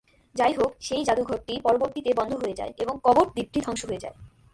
যাইহোক, সেই জাদুঘরটি পরবর্তীতে বন্ধ হয়ে যায় এবং "কবট" দ্বীপটি ধ্বংস হয়ে যায়।